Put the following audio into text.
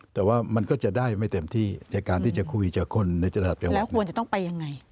แต่ว่ามันก็จะได้ไม่เต็มที่จากการที่จะคุยจะคนในจริงแล้วควรจะต้องไปยังไง